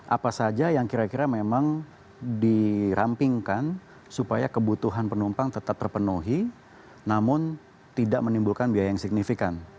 apa saja yang kira kira memang dirampingkan supaya kebutuhan penumpang tetap terpenuhi namun tidak menimbulkan biaya yang signifikan